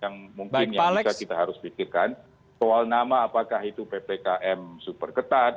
yang mungkin yang bisa kita harus pikirkan soal nama apakah itu ppkm super ketat